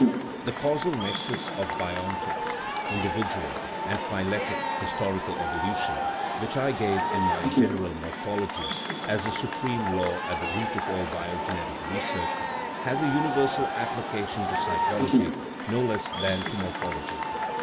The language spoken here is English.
The causal nexus of biontic (individual) and phyletic (historical) evolution, which I gave in my General Morphology as the supreme law at the root of all bio genetic research, has a universal application to psy chology no less than to morphology.